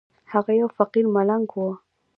هغه يو فقير ملنگ و.